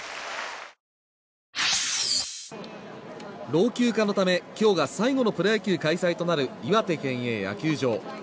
老朽化のため今日が最後のプロ野球開催となる岩手県営野球場。